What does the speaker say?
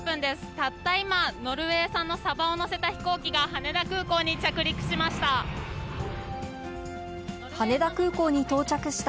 たった今、ノルウェー産のサバを載せた飛行機が、羽田空港に着陸しました。